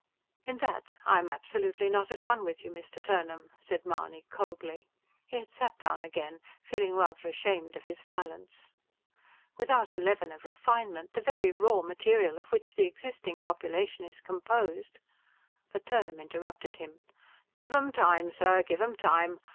"In that I am absolutely not at one with you, Mr. Turnham," said Mahony coldly. He had sat down again, feeling rather ashamed of his violence. "Without a leaven of refinement, the very raw material of which the existing population is composed " But Turnham interrupted him. "Give 'em time, sir, give 'em time.